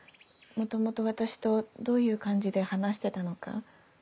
元々私とどういう感じで話してたのか。